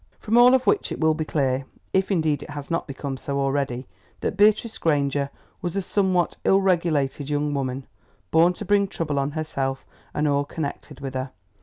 From all of which it will be clear, if indeed it has not become so already, that Beatrice Granger was a somewhat ill regulated young woman, born to bring trouble on herself and all connected with her.